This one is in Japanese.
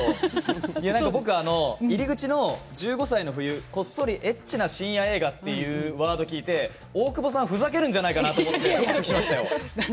入り口の１５歳の冬、こっそりＨな深夜映画ってワードを聞いて大久保さんふざけるんじゃないかってドキドキしましたよ。